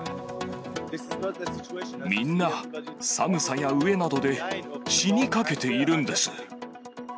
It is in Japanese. みんな、寒さや飢えなどで死にかけているんです。